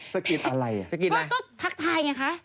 สะกิดอะไรอ่ะสะกิดอะไรก็ทักทายไงคะ